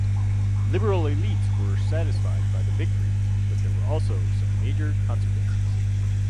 Liberal elites were satisfied by the victory but there were also some major consequences.